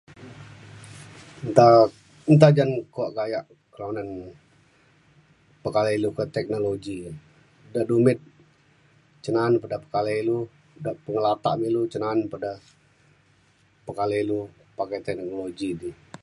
nta nta jan kuak gayak kelunan pekalei ilu ka teknologi. da dumit cen na'an pa pekalei ilu da pengelatak ilu cen na'an pa da pekalei ilu pakai teknologi di.